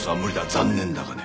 残念だがね。